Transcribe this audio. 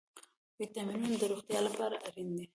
ویټامینونه د روغتیا لپاره اړین دي